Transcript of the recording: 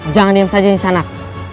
jangan diam saja nisanak